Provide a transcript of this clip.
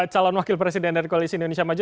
calon wakil presiden dari koalisi indonesia maju